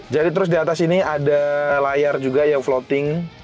jadi terus di atas sini ada layar juga yang floating